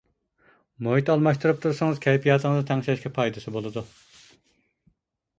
مۇھىت ئالماشتۇرۇپ تۇرسىڭىز كەيپىياتىڭىزنى تەڭشەشكە پايدىسى بولىدۇ.